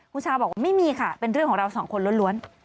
คุณชาบอกว่าไม่มีค่ะเป็นเรื่องของเราสองคนล้วน